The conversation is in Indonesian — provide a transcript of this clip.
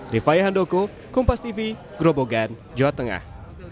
rifai handoko kumpas tv grobogan jawa tengah